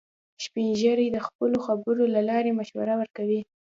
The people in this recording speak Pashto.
سپین ږیری د خپلو خبرو له لارې مشوره ورکوي